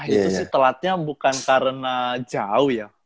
itu sih telatnya bukan karena jauh ya